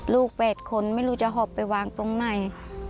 ลูก๘คนไม่รู้จะหอบไปวางตรงไหน